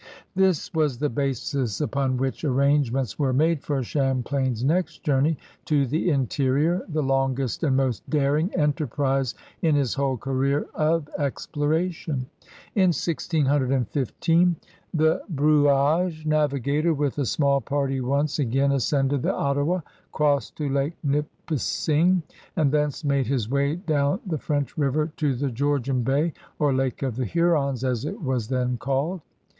This was the basis upon which arrangements were made for Champlain's next journey to the interior, the longest and most daring enterprise in his whole career of exploration. In 1615 the 46 CRUSADEBS OP NEW FRANCE Brouage navigator with a small party once again ascended the Ottawa, crossed to Lake Nipissing and thence made his way down the French River to the Georgian Bay, or Lake of the Hurons as it was then called.